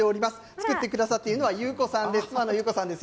作ってくださっているのは妻の裕子さんです